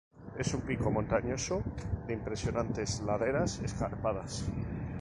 Es un pico montañoso de impresionantes laderas escarpadas.